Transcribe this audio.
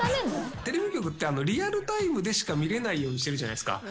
テレビ局ってリアルタイムでしか見れないようにしてるじゃないですか。